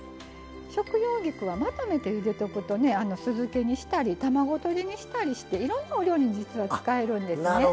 食用菊は、まとめてゆでておくと酢漬けにしたり卵とじにしたりしていろんなお料理に使えるんですね。